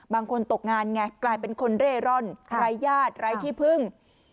ตกงานไงกลายเป็นคนเร่ร่อนไร้ญาติไร้ที่พึ่ง